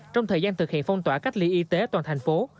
trong thời gian thực hiện phong tỏa cách ly y tế toàn thành phố